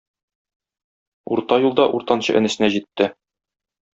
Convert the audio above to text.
Урта юлда уртанчы энесенә җитте.